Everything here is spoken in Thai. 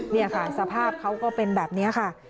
นี่ค่ะสภาพเขาก็เป็นแบบนี้ค่ะ